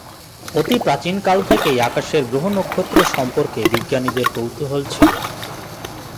অতি প্রাচীনকাল থেকেই আকাশের গ্রহ-নক্ষত্র সম্পর্কে বিজ্ঞানীদের কৌতূহল ছিল।